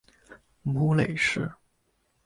母雷氏。